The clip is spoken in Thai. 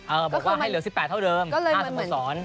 บอกว่าให้เหลือ๑๘เท่าเดิม๕สโมสร